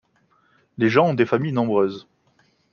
Les gens ont des familles nombreuses.